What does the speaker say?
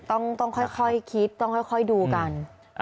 ต้องค่อยคิดต้องค่อยดูกัน